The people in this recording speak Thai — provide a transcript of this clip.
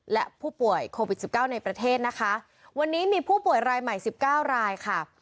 และผู้ป่วยโควิดสิบเก้าในประเทศนะคะวันนี้มีผู้ป่วยรายใหม่สิบเก้ารายค่ะ